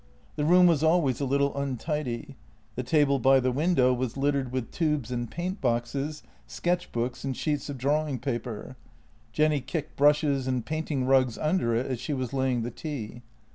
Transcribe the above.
The room was always a little untidy; the table by the window was littered with tubes and paint boxes, sketch books and sheets of drawing paper; Jenny kicked brushes and painting rags under it as she was laying the tea.